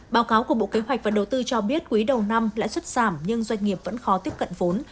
báo cáo của bộ kế hoạch và đầu tư cho biết quý đầu năm lãi suất giảm nhưng doanh nghiệp vẫn khó tiếp cận vốn